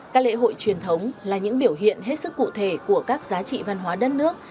các lễ hội truyền thống là những biểu hiện hết sức cụ thể của các giá trị văn hóa đất nước